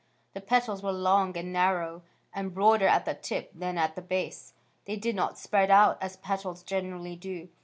The petals were long and narrow and broader at the tip than at the base. They did not spread out as petals generally do.